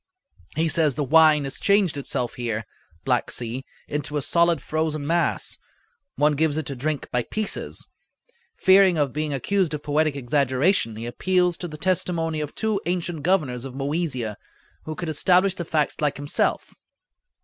He says the wine has changed itself here (Black Sea) into a solid frozen mass; one gives it to drink by pieces. Fearing of being accused of poetic exaggeration he appeals to the testimony of two ancient governors of Moesia, who could establish the facts like himself.